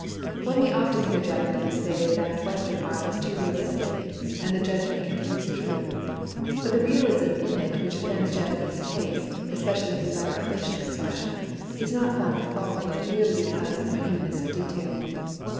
One may often hear Japanese say that Western art is too realistic; and the judg ment contains truth. But the realism in it which offends Japanese taste, especially in the matter of facial expression, is not found fault with merely because of minuteness of detail.